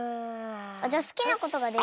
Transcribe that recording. じゃあすきなことができないとか。